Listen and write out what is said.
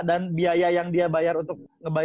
dan biaya yang dia bayar untuk